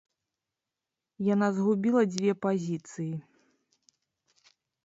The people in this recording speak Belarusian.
Яна згубіла дзве пазіцыі.